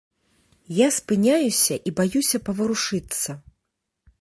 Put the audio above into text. Я спыняюся і баюся паварушыцца.